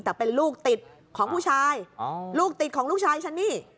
แต่เป็นลูกติดของผู้ชายลูกติดของลูกชายฉันนี่